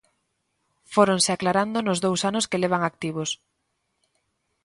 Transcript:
Fóronse aclarando nos dous anos que levan activos.